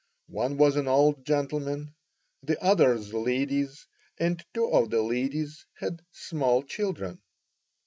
One was an old gentleman, the others ladies, and two of the ladies had small children.